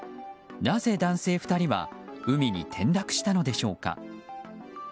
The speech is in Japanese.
なぜ男性２人は海に転落したのでしょうか。